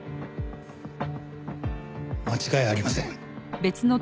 間違いありません。